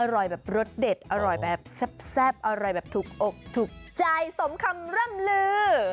อร่อยแบบรสเด็ดอร่อยแบบแซ่บอร่อยแบบถูกอกถูกใจสมคำร่ำลือ